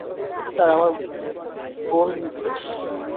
Sir, আমার বোন নির্দোষ।